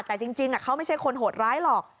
แต่จริงเขาไม่ใช่คนโหดร้ายหรอก